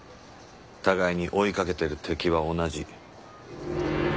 互いに追いかけてる敵は同じ。